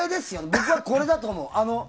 僕はこれだと思う。